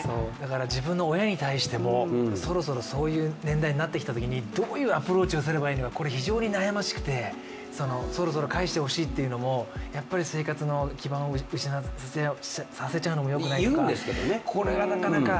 自分の親に対しても、そろそろそういう年代になってきたときに、どういうアプローチをすればいいか、非常に悩ましくて、そろそろ返してほしいというのも生活の基盤を失わさせちゃうのもよくないですしこれはなかなか。